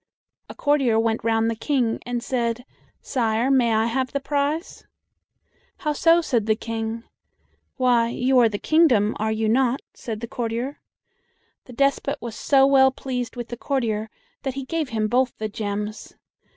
A courtier went round the King, and said, "Sire, may I have the prize?" "How so?" said the King. "Why, you are the kingdom, are you not?" said the courtier. The despot was so well pleased with the courtier that he gave him both the gems.